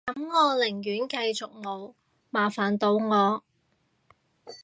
噉我寧願繼續冇，麻煩到我